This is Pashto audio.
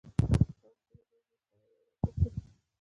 تواب کلي ته ورغی پایې راپورته وې.